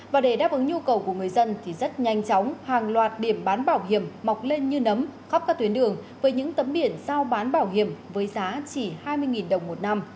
và để đáp ứng nhu cầu của người dân thì rất nhanh chóng hàng loạt điểm bán bảo hiểm mọc lên như nấm khắp các tuyến đường với những tấm biển giao bán bảo hiểm với giá chỉ hai mươi đồng một năm